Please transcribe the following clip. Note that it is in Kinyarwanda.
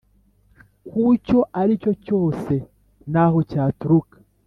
kucyo aricyo cyose naho ryaturuka